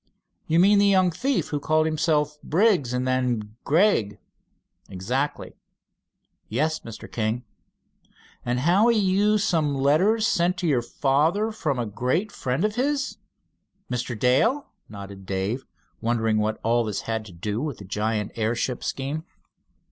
"You mean the young thief who called himself Briggs, and then Gregg?" "Exactly." "Yes, Mr. King." "And how he used some letters sent to your father from a great friend of his?" "Mr. Dale?" nodded Dave, wondering what all this had to do with the giant airship scheme.